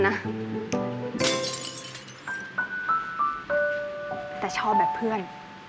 แต่ชอบแบบเพื่อน